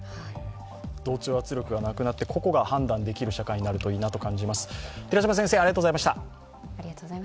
同調圧力がなくなって、個々が判断できる社会になるといいなと思います。